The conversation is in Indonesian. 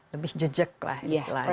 lebih jejek lah istilahnya